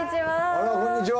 あらこんにちは。